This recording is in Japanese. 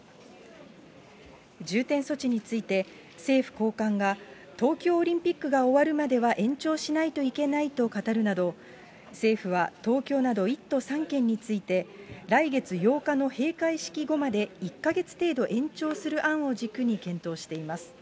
重点措置について、政府高官が、東京オリンピックが終わるまでは延長しないといけないと語るなど、政府は東京など１都３県について、来月８日の閉会式後まで、１か月程度延長する案を軸に検討しています。